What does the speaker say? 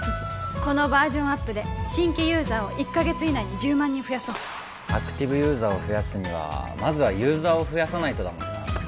このバージョンアップで新規ユーザーを１カ月以内に１０万人増やそうアクティブユーザーを増やすにはまずはユーザーを増やさないとだもんな